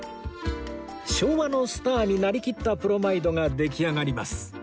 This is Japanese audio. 昭和のスターになりきったプロマイドが出来上がります